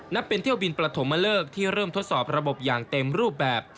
นับเป็นเที่ยวบินประถมเลิกที่เริ่มทดสอบระบบอย่างเต็มรูปแบบ